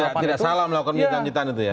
jadi tidak salah melakukan penyelidikan itu ya